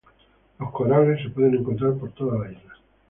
Los corales se pueden encontrar por toda la isla.